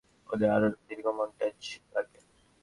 ওদের আরও দীর্ঘ মন্টাজ লাগবে।